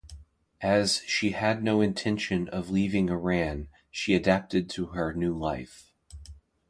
As she had no intention of leaving Iran, she adapted to her new life.